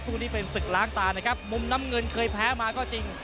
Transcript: คู่นี้เป็นศึกล้างตานะครับมุมน้ำเงินเคยแพ้มาก็จริง